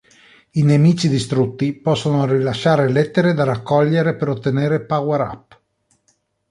I nemici distrutti possono rilasciare lettere da raccogliere per ottenere power-up.